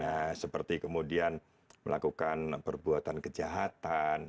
nah seperti kemudian melakukan perbuatan kejahatan